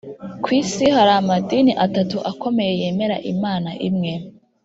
ku isi hari amadini atatu akomeye yemera imana imwe